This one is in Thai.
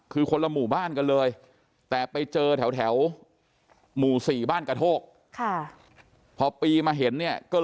คือคนละหมู่บ้านกันเลยแต่ไปเจอแถวหมู่๔บ้านกระโทก